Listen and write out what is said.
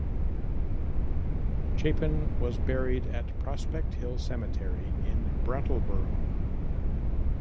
Chapin was buried at Prospect Hill Cemetery in Brattleboro.